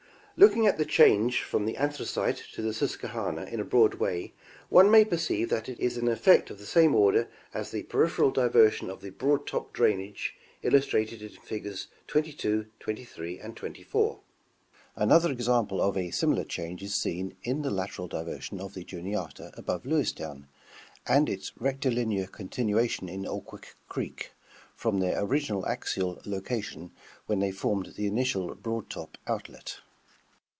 — Looking at the change from the Anthracite to the Susquehanna in a broad way, one may perceive that it is an effect of the same order as the peripheral diversion of the Broad Top drainage, illustrated in figures 22, 23 and 24 ; another example of a similar change is seen in the lateral diversion of the Juniata above Lewistown and its rectilinear continuation in Aughwick creek, from their original axial location when they formed the initial Broad Top outlet.